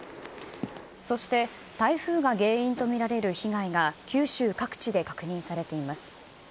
そして台風が原因と見られる被害が九州各地で確認されています。